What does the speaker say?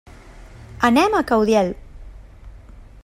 Anem a Caudiel.